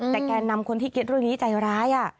แต่แกนำคนที่คิดเรื่องนี้ใจร้าย